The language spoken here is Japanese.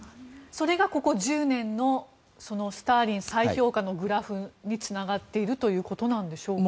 それがここ１０年のスターリン再評価のグラフにつながっているということなんでしょうか。